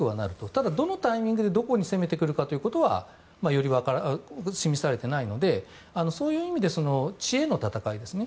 ただ、どのタイミングでどこに攻めてくるかということは示されていないのでそういう意味で知恵の戦いですね。